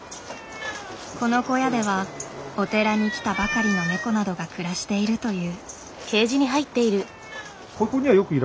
この小屋ではお寺に来たばかりのネコなどが暮らしているという。